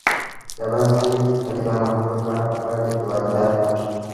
د افغانستان د اقتصادي پرمختګ لپاره پکار ده چې واردات کم شي.